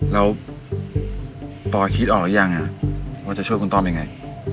เราปลอดภัยคิดออกหรือยังอ่ะว่าจะช่วยคุณต้อมยังไง